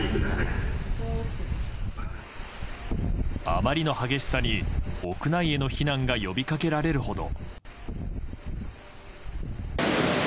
あまりの激しさに屋内への避難が呼びかけられるほど。